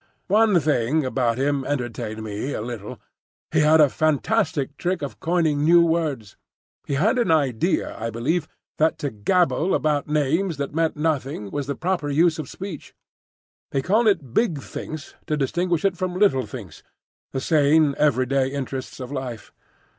One thing about him entertained me a little: he had a fantastic trick of coining new words. He had an idea, I believe, that to gabble about names that meant nothing was the proper use of speech. He called it "Big Thinks" to distinguish it from "Little Thinks," the sane every day interests of life.